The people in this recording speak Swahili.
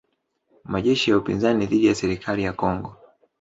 Majeshi ya upinzani dhidi ya serikali ya Kongo